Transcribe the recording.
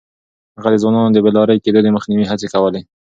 هغه د ځوانانو د بې لارې کېدو د مخنيوي هڅې کولې.